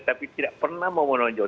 tapi tidak pernah mau menonjol